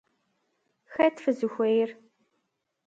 Хэт фызыхуейр?